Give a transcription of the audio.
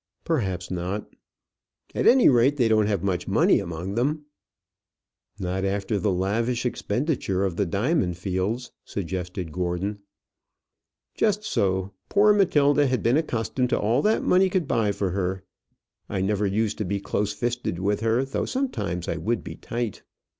"Perhaps not." "At any rate they don't have much money among them." "Not after the lavish expenditure of the diamond fields," suggested Gordon. "Just so. Poor Matilda had been accustomed to all that money could buy for her. I never used to be close fisted with her, though sometimes I would be tight."